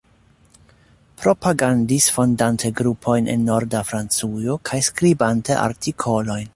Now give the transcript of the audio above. Propagandis fondante grupojn en Norda Francujo kaj skribante artikolojn.